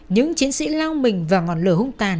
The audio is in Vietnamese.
những chiến sĩ lao mình vào ngọn lửa hung tàn